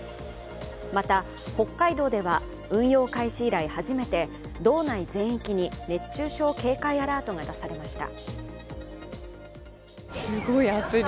また、北海道では運用開始以来初めて道内全域に熱中症警戒アラートが出されました